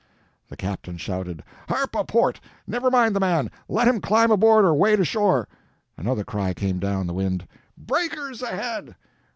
The captain shouted: "Hard a port! Never mind the man! Let him climb aboard or wade ashore!" Another cry came down the wind: "Breakers ahead!"